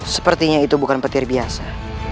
sepertinya itu bukan petir biasa